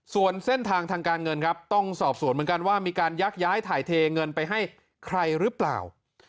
ส่วนเส้นทางทางการเงินครับต้องสอบสวนเหมือนกันว่ามีการยักย้ายถ่ายเทเงินไปให้ใครหรือเปล่า